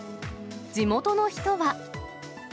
地元の人は。